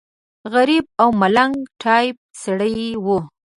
غریب او ملنګ ټایف سړی و.